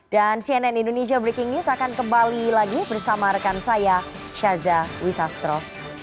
dan cnn indonesia breaking news akan kembali lagi bersama rekan saya syaza wisastro